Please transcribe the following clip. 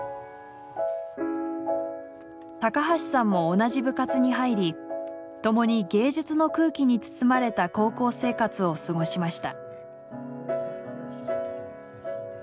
橋さんも同じ部活に入り共に芸術の空気に包まれた高校生活を過ごしました。